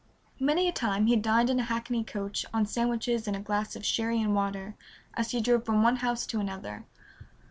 Many a time he dined in a hackney coach on sandwiches and a glass of sherry and water as he drove from one house to another.